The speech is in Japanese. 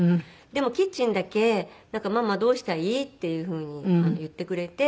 でもキッチンだけ「ママどうしたい？」っていうふうに言ってくれて。